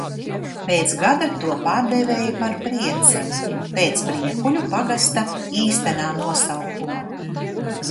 "Pēc gada to pārdēvēja par "Prieceni" – "pēc Priekuļu pagasta īstenā nosaukuma"."